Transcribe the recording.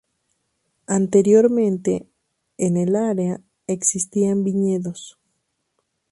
Anteriormente, en el área existían viñedos.